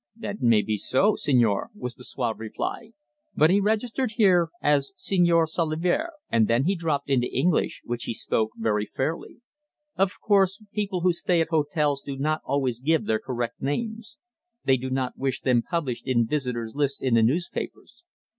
"That may be so, señor," was the suave reply. "But he registered here as Señor Solier." And then he dropped into English, which he spoke very fairly. "Of course people who stay at hotels do not always give their correct names. They do not wish them published in visitors' lists in the newspapers.